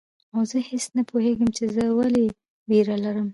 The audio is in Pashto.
او زه هیڅ نه پوهیږم چي زه ولي ویره لرم